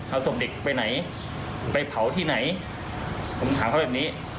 เอาศพเด็กไปไหนไปเผาที่ไหนผมถามเขาแบบนี้